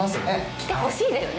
きてほしいですよね